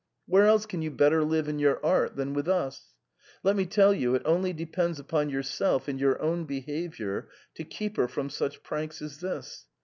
Where else can you better live in your art than with us ? Let me tell you, it only depends upon yourself and your own behaviour to keep her from such pranks as this.